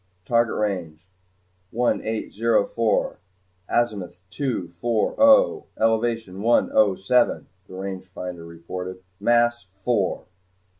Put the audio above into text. "Target range one eight zero four, azimuth two four oh, elevation one oh seven," the rangefinder reported. "Mass four."